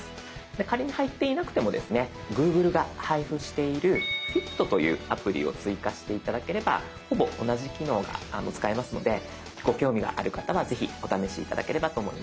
で仮に入っていなくてもですねＧｏｏｇｌｅが配布している「Ｆｉｔ」というアプリを追加して頂ければほぼ同じ機能が使えますのでご興味がある方はぜひお試し頂ければと思います。